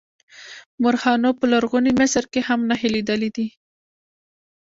مورخانو په لرغوني مصر کې هم نښې لیدلې دي.